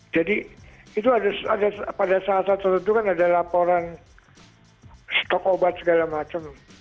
jadi itu ada pada saat saat tertentu kan ada laporan stok obat segala macem